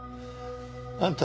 あんた。